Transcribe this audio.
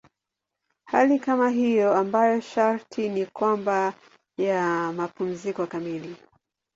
Hali kama hiyo ambayo sharti ni kwamba ya mapumziko kamili.